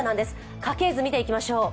家系図見ていきましょう。